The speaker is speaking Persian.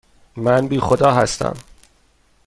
من بی خدا هستم.